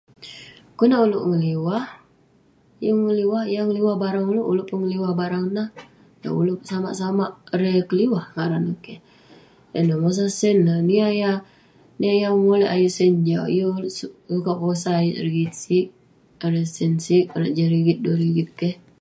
Konak ulouk ngeliwah. Yeng ngeliwah yah ngeliwah barang ulouk, ulouk peh ngeliwah barang nah. Ulouk samak samak erei keliwah ngaran neh keh. Awu ineh, mosah sen neh. Niah yah- niah yah memolek ayuk sen jau, yeng ulouk sukat posah ayuk rigit sig, erei sen sig. Jah rigit, duah rigit keh.